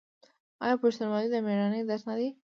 آیا پښتونولي د میړانې درس نه دی؟